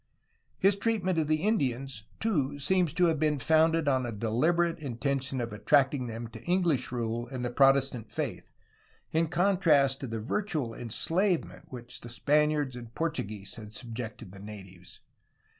His treatment of the Indians, too, seems to have been founded on a deliberate intention of attracting them to English rule and the Protestant faith, in contrast to the DRAKE AND NEW ALBION 109 virtual enslavement to which the Spaniards and Portuguese had subjected the natives.